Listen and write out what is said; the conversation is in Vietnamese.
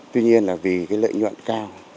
tuy nhiên là vì lợi nhuận cao